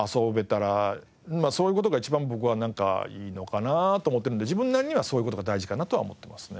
そういう事が一番僕はいいのかなと思ってるので自分なりにはそういう事が大事かなとは思ってますね。